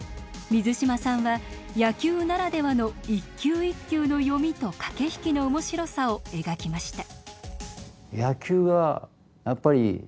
水島さんは野球ならではの一球一球の読みと駆け引きの面白さを描きました。